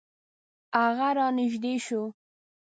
هغه را نژدې شو .